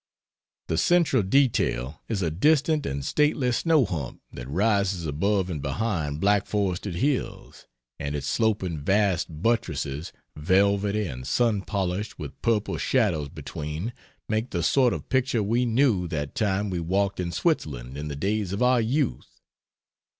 The central detail is a distant and stately snow hump that rises above and behind blackforested hills, and its sloping vast buttresses, velvety and sun polished with purple shadows between, make the sort of picture we knew that time we walked in Switzerland in the days of our youth.